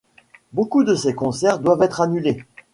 Beaucoup de ses concerts doivent être annulés.